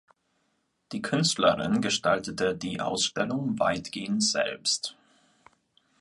Die Künstlerin gestaltete die Ausstellung weitgehend selbst.